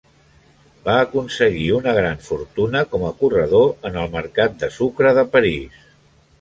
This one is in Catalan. Va aconseguir una gran fortuna com a corredor en el mercat de sucre de París.